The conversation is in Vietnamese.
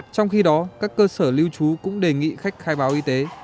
trong khi đó các cơ sở lưu trú cũng đề nghị khách khai báo y tế